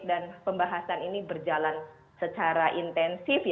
dan pembahasan ini berjalan secara intensif